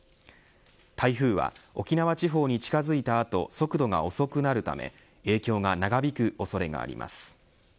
台風は、沖縄地方に近づいた後速度が遅くなるため影響が長引く恐れがあります。